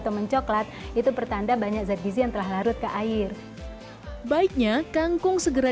temen coklat itu pertanda banyak zat gizi yang telah larut ke air baiknya kangkung segera